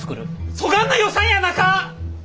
そがんな予算やなか！